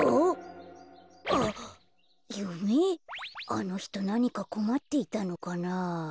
あのひとなにかこまっていたのかなあ。